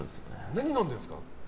何飲んでるんですか？